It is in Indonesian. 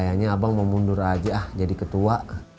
eyang kayaknya abang mau mundur aja ah jadi ketua